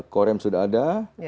korem sudah ada